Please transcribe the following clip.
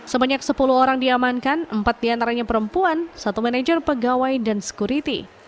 sebanyak sepuluh orang diamankan empat diantaranya perempuan satu manajer pegawai dan security